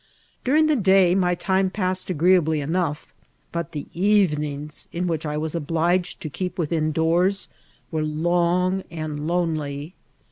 During the day my time passed agreeably enough; but the evenings, in which I was obliged to keep within doors, were long and lonely.